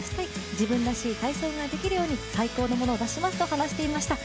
自分らしい体操ができるように最高のものを出しますと話していました。